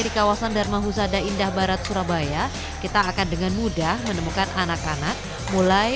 di kawasan dharma husada indah barat surabaya kita akan dengan mudah menemukan anak anak mulai